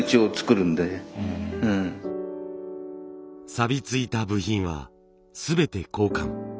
さび付いた部品は全て交換。